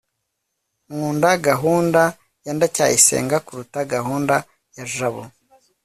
nkunda gahunda ya ndacyayisenga kuruta gahunda ya jabo